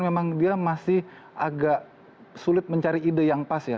memang dia masih agak sulit mencari ide yang pas ya